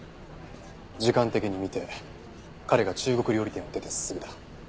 時間的に見て彼が中国料理店を出てすぐだ。